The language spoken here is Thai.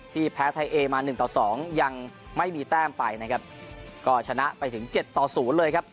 แพ้ไทยเอมาหนึ่งต่อสองยังไม่มีแต้มไปนะครับก็ชนะไปถึงเจ็ดต่อศูนย์เลยครับ